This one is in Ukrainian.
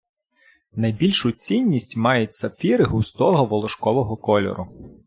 Найбільшу цінність мають сапфіри густового волошкового кольору